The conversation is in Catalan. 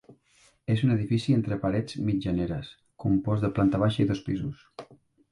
És un edifici entre parets mitgeres compost de planta baixa i dos pisos.